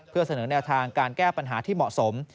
เพื่อเสนอแนวทางการแก้ปัญหาที่เหมาะสม